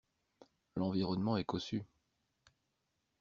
L’environnement est cossu.